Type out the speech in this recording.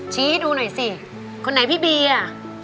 ชี้ดูหน่อยสิคนไหนพี่บีอ่ะ